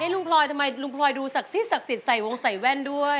ลุงพลอยทำไมทำไมดูศักดิ์ศักดิ์สิทธิ์ใส่วงใส่แว่ล์ด้วย